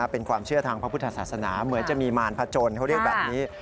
เป็นความเชื่อทางพระพุทธศาสนาเหมือนจะมีมารพจนเขาเรียกแบบนี้